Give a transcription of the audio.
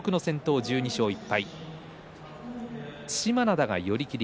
１２勝１敗。